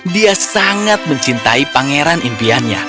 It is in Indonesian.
dia sangat mencintai pangeran impiannya